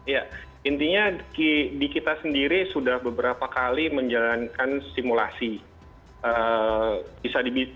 ya intinya di kita sendiri sudah beberapa kali menjalankan simulasi